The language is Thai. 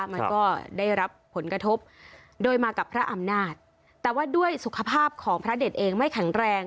มันก็ได้รับผลกระทบโดยมากับพระอำนาจแต่ว่าด้วยสุขภาพของพระเด็ดเองไม่แข็งแรง